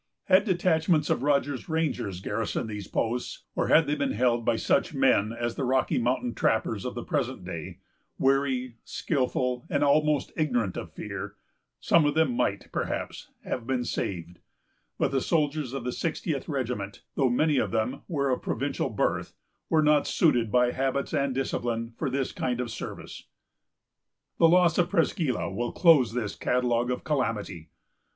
Had detachments of Rogers's Rangers garrisoned these posts, or had they been held by such men as the Rocky Mountain trappers of the present day, wary, skilful, and almost ignorant of fear, some of them might, perhaps, have been saved; but the soldiers of the 60th Regiment, though many of them were of provincial birth, were not suited by habits and discipline for this kind of service. The loss of Presqu' Isle will close this catalogue of calamity.